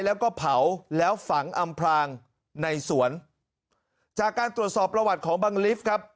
แล้วก็เผาแล้วฝังอำพลางในสวนจากการตรวจสอบประวัติของบังลิฟต์ครับ